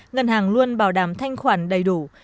ngân hàng luôn bảo đảm thanh khoản đầy đủ